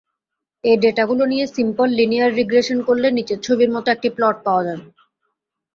এই ডেটাগুলো নিয়ে simple linear regression করলে নিচের ছবির মত একটি প্লট পাওয়া যাবে।